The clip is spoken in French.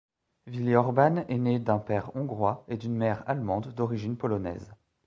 Willi Orban est né d'un père hongrois et d'une mère allemande d'origine polonaise.